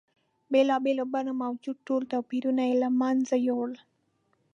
بېلا بېلو بڼو موجود ټول توپیرونه یې له منځه یوړل.